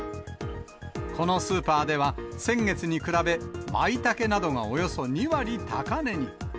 このスーパーでは、先月に比べ、まいたけなどがおよそ２割高値に。